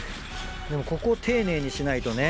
でもここを丁寧にしないとね。